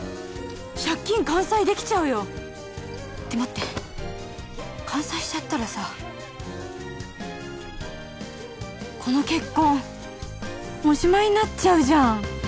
借金完済できちゃうよって待って完済しちゃったらさこの結婚おしまいになっちゃうじゃん！